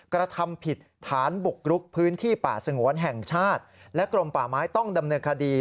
กระทำผิดฐานบุกรุกพื้นที่ป่าสงวนแห่งชาติและกรมป่าไม้ต้องดำเนินคดี